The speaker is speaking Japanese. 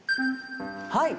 はい。